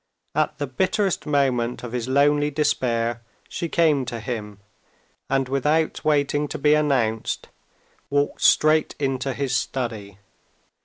At the bitterest moment of his lonely despair she came to him, and without waiting to be announced, walked straight into his study.